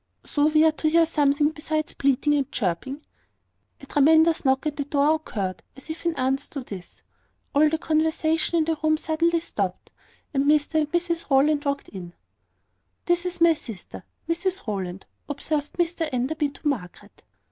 "So we are to hear something besides bleating and chirping?" A tremendous knock at the door occurred, as if in answer to this. All the conversation in the room suddenly stopped, and Mr and Mrs Rowland walked in. "This is my sister, Mrs Rowland," observed Mr Enderby to Margaret.